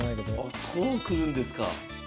あこうくるんですか。